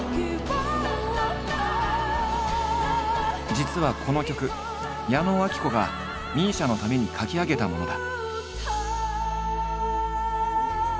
実はこの曲矢野顕子がＭＩＳＩＡのために書き上げたものだ。